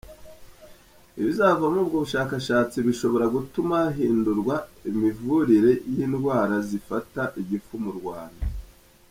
Ibizava muri ubwo bushakashatsi bishobora gutuma hahindurwa imivurire y’indwara zifata igifu mu Rwanda.